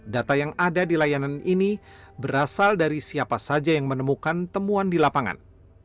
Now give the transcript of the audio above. data yang ada di layanan ini berasal dari siapa saja yang menemukan temuan di lapangan